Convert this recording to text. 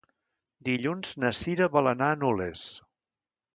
Dilluns na Cira vol anar a Nules.